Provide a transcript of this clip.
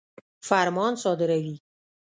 فرمان صادروي.